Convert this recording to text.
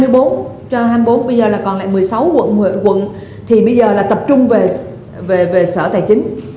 bây giờ còn lại một mươi sáu quận thì bây giờ là tập trung về sở tài chính